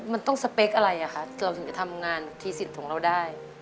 มันต้องสเปคอะไรอ่ะคะเราถึงจะทำงานทีสิทธิ์ของเราได้